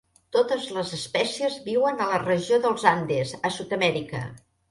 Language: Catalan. Totes les espècies viuen a la regió dels Andes, a Sud-amèrica.